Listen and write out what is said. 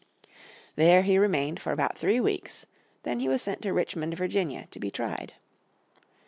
There he remained for about three weeks; then he was sent to Richmond, Virginia, to be tried.